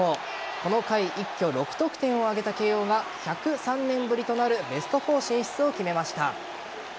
この回一挙６得点を挙げた慶応が１０３年ぶりとなるベスト４進出を決めました。